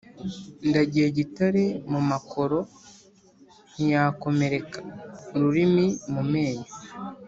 Ndagiye gitare mu makoro ntiyakomereka-Ururimi mu menyo.